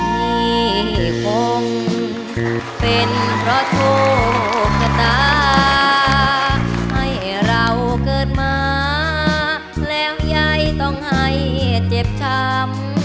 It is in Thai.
นี่คงเป็นเพราะโชคชะตาให้เราเกิดมาแล้วยายต้องให้เจ็บช้ำ